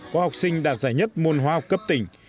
có học sinh đạt giải nhất môn hóa học cấp tỉnh